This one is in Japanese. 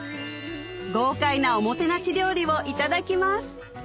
豪快なおもてなし料理をいただきます